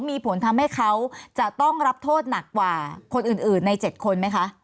มีผลทำให้เขาจะต้องรับโทษหนักกว่าคนอื่นใน๗คนไหมคะ